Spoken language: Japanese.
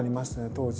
当時。